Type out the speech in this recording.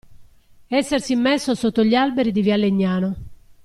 Essersi messo sotto gli alberi di via Legnano.